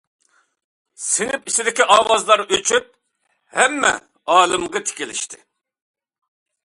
سىنىپ ئىچىدىكى ئاۋازلار ئۆچۈپ ھەممە ئالىمغا تىكىلىشتى.